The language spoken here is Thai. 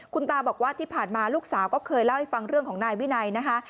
คุณตาบอกว่าที่ผ่านมาลูกสาวก็เคยเล่าให้ฟังเรื่องของนายวินัยนะคะ